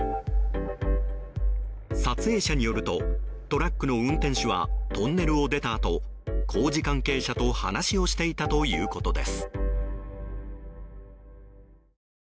撮影者によるとトラックの運転手はトンネルを出たあと工事関係者と話をしていたということです。